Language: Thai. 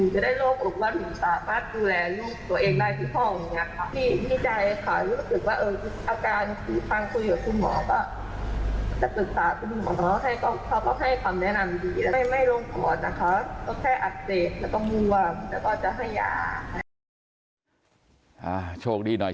ถึงหนูจะไม่ได้เตียงแต่ขอให้มาเช็คอาการนิดหน่อย